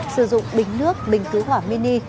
sử dụng bình nước bình cứu hỏa mini